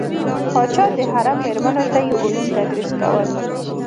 پاچا د حرم میرمنو ته یې علوم تدریس کول.